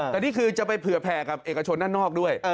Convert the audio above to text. แต่นี่คือจะไปเผื่อแผ่กับเอกชนด้านนอกด้วย